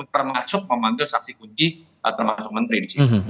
termasuk memanggil saksi kunci termasuk menteri di sini